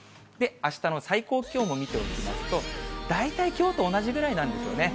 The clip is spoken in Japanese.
あしたの最高気温も見ておきますと、大体きょうと同じぐらいなんですよね。